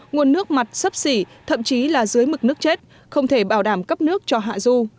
nguồn nước mặt sấp xỉ thậm chí là dưới mực nước chết không thể bảo đảm cấp nước cho hạ du